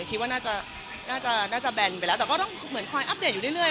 คิดว่าน่าจะแบนไปแล้วแต่ก็ต้องคอยอัปเดตอยู่เรื่อย